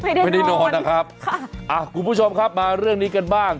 ไม่ได้นอนนะครับค่ะอ่ะคุณผู้ชมครับมาเรื่องนี้กันบ้าง